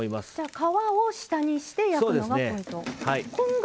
皮を下にして焼くのがポイント。